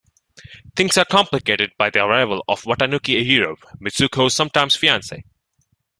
Things are complicated by the arrival of Watanuki Eijiro, Mitsuko's sometime fiance.